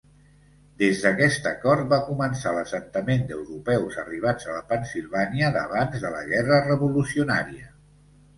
Des d'aquest acord va començar l'assentament d'europeus arribats a la Pennsilvània d'abans de la Guerra Revolucionària.